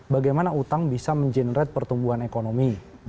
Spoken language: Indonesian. bagaimana utang bisa mengenerate pertumbuhan ekonomi